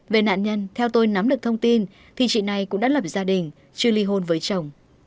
về nạn nhân theo tôi nắm được thông tin thì chị này cũng đã lập gia đình chưa ly hôn với chồng